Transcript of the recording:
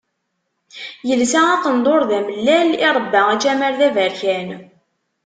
Yelsa aqendur d amellal, irebba ačamar d aberkan.